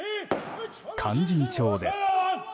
「勧進帳」です。